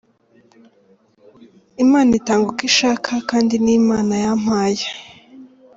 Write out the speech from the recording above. Imana itanga uko ishaka kandi ni Imana yampaye.